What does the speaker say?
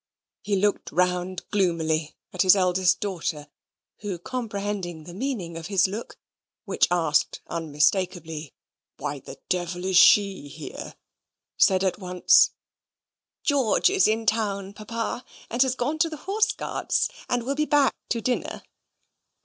He looked round gloomily at his eldest daughter; who, comprehending the meaning of his look, which asked unmistakably, "Why the devil is she here?" said at once: "George is in town, Papa; and has gone to the Horse Guards, and will be back to dinner."